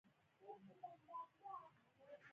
حرارتي تعادل د تودوخې درجې د اندازه کولو اساس دی.